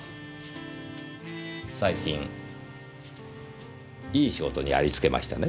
最近いい仕事にありつけましたね？